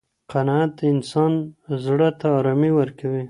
قناعت د انسان زړه ته ارامي ورکوي.